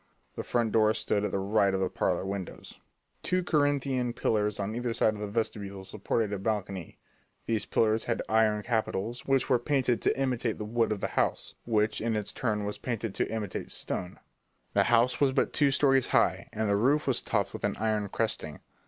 The front door stood at the right of the parlour windows. Two Corinthian pillars on either side of the vestibule supported a balcony; these pillars had iron capitals which were painted to imitate the wood of the house, which in its turn was painted to imitate stone. The house was but two stories high, and the roof was topped with an iron cresting.